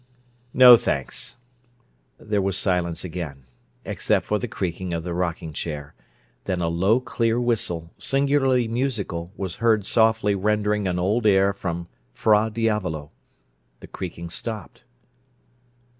"No, thanks." There was silence again, except for the creaking of the rocking chair; then a low, clear whistle, singularly musical, was heard softly rendering an old air from "Fra Diavolo." The creaking stopped.